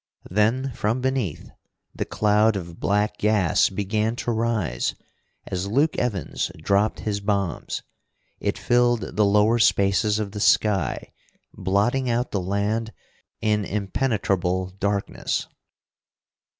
Then from beneath the cloud of black gas began to rise, as Luke Evans dropped his bombs. It filled the lower spaces of the sky, blotting out the land in impenetrable darkness.